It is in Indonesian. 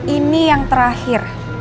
ini yang terakhir